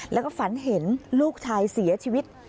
แล้วก็ฝันเห็นลูกชายเสียชีวิต